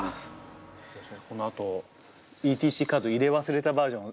このあとＥＴＣカード入れ忘れたバージョン。